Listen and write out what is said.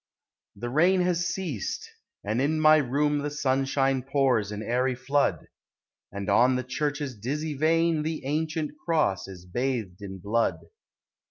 The rain has ceased, and in my room The sunshine pours an airy flood; And on the church's dizzy vane The ancient Cross is bathed in blood.